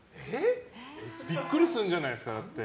ビックリするんじゃないですか。